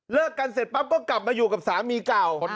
กันเสร็จปั๊บก็กลับมาอยู่กับสามีเก่า